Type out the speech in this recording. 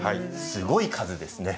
すごい数ですね。